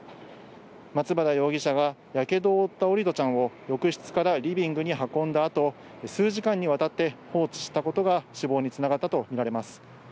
松原容疑者が火傷を負った桜利斗ちゃんを浴室からリビングに運んだ後、数時間にわたって放置したことが死亡に繋がったとみられます。